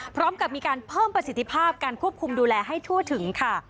พร้อมกับมีการเพิ่มประสิทธิภาพการควบคุมดูแลให้ทั่วถึงค่ะ